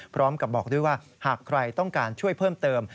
พร้อมกับบอกด้วยว่าหากใครต้องการช่วยเพิ่มเติม